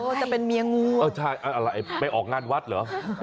จะเป็นเมียงูเออใช่อะไรไปออกงานวัดเหรอ